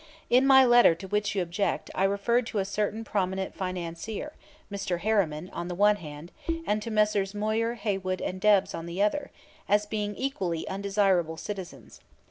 In my letter to which you object I referred to a certain prominent financier, Mr. Harriman, on the one hand, and to Messrs. Moyer, Haywood and Debs on the other, as being equally undesirable citizens.